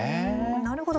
なるほど。